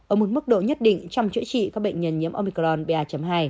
ở một mức độ nhất định trong chữa trị các bệnh nhân nhiễm omicron ba hai